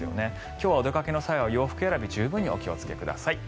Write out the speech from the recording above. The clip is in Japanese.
今日はお出かけの際は洋服選び十分にお気をつけください。